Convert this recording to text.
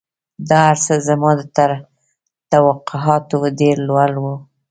دا هرڅه زما تر توقعاتو ډېر لوړ وو